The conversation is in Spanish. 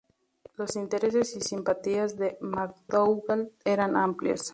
Los intereses y simpatías de McDougall eran amplios.